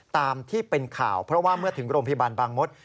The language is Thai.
ตามที่เป็นข่าวเพราะว่าเมื่อถึงโรงพยาบาลบางมศ